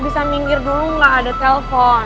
bisa minggir dulu nggak ada telpon